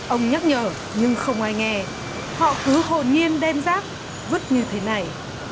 ông nhắc nhở nhưng không ai nghe họ cứ hồn nhiên đem rác vứt như thế này